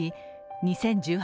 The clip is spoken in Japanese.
２０１８